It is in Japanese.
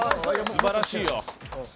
素晴らしいよ。